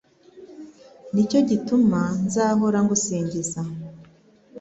ni cyo gituma nzahora ngusingiza